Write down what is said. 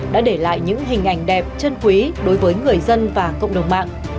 đã để lại những hình ảnh đẹp chân quý đối với người dân và cộng đồng mạng